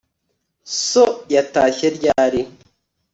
so yatashye ryari